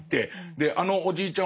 であのおじいちゃん